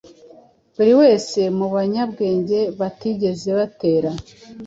Buri wese mubanyabwenge batigeze batera